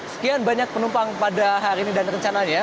sekian banyak penumpang pada hari ini dan rencananya